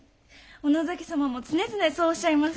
小野崎様も常々そうおっしゃいます。